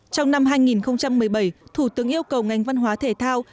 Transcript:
trong năm hai nghìn một mươi bảy thủ tướng yêu cầu ngành văn hóa thể thao